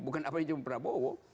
bukan apa yang cuma prabowo